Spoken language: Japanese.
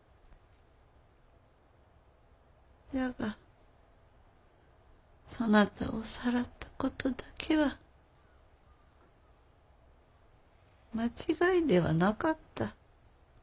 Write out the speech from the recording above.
じゃがそなたをさらったことだけは間違いではなかった。